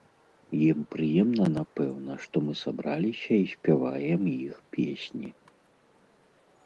Ім прыемна, напэўна, што мы сабраліся і спяваем іх песні.